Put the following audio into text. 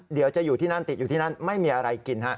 เดี๋ยวจะอยู่ที่นั่นติดอยู่ที่นั่นไม่มีอะไรกินฮะ